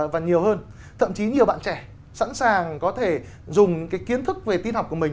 và nhiều hơn thậm chí nhiều bạn trẻ sẵn sàng có thể dùng cái kiến thức về tin học của mình